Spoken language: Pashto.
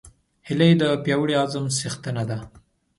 هیلۍ د پیاوړي عزم څښتنه ده